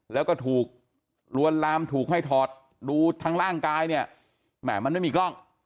แล้วก็ถูกลวนลามถูกให้ถอดดูทั้งร่างกายเนี่ยแหม่มันไม่มีกล้อง